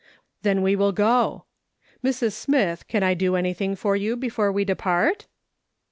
" Then we will go. Mrs. Smith, can I do anything for you before we depart